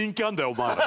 お前ら。